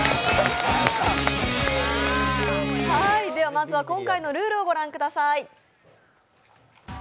まずは今回のルールをご覧ください。